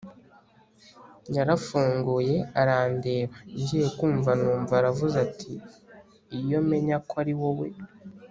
yarafunguye arandeba ngiye kumva numva aravuze ati iyo menya ko ari wowe